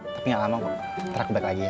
tapi gak lama ntar aku balik lagi ya